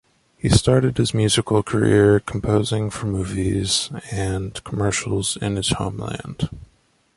He started his musical career composing for movies and commercials in his homeland.